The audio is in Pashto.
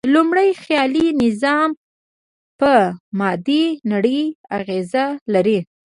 لومړی، خیالي نظم په مادي نړۍ اغېز لري.